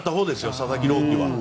佐々木朗希は。